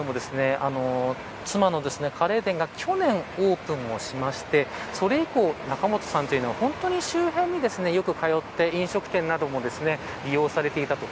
妻のカレー店が去年オープンをしてそれ以降仲本さんは、本当に周辺によく通って飲食店なども利用されていたと。